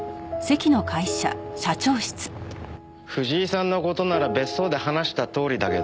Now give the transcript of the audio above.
藤井さんの事なら別荘で話したとおりだけど。